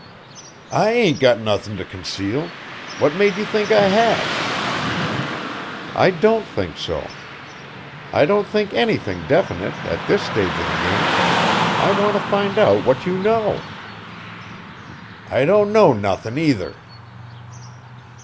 "I ain't got nothin' to conceal. What made you think I had?" "I don't think so. I don't think anything definite at this stage of the game. I want to find out what you know." "I don't know nothin', either."